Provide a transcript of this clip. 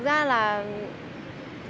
cô gái này là mẹ mai